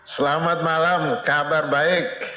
selamat malam kabar baik